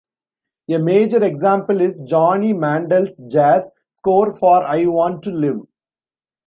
A major example is Johnny Mandel's jazz score for I Want to Live!